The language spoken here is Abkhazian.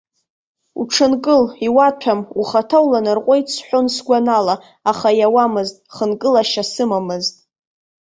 Уҽынкыл, иуаҭәам, ухаҭа уланарҟәуеит сҳәон сгәанала, аха иауамызт, хынкылашьа сымамызт.